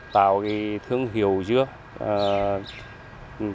tạo thương hiệu dưa hấu